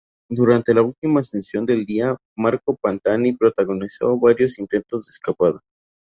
Durante la última ascensión del día, Marco Pantani protagonizó varios intentos de escapada.